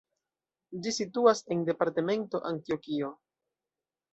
Ĝi situas en departemento Antjokio.